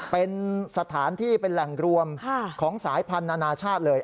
เป็นสถานที่เป็นแหล่งรวมของสายพันธุ์นานาชาติเลย